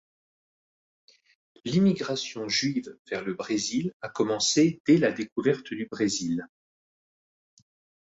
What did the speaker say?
L'immigration juive vers le Brésil a commencé dès la découverte du Brésil.